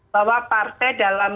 bahwa partai dalam